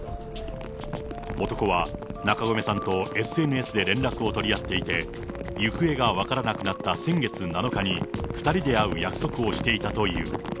男は中込さんとＳＮＳで連絡を取り合っていて、行方が分からなくなった先月７日に、２人で会う約束をしていたという。